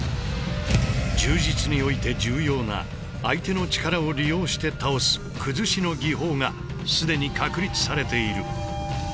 柔術において重要な相手の力を利用して倒す崩しの技法が既に確立されている。